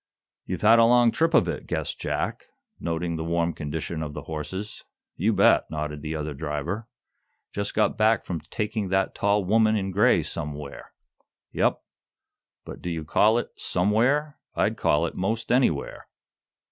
"You've had a long trip of it," guessed Jack, noting the warm condition of the horses. "You bet," nodded the other driver. "Just got back from taking the tall woman in gray somewhere." "Yep. But do you call it 'somewhere'? I'd call it most anywhere."